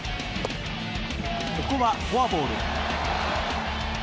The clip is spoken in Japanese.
ここはフォアボール。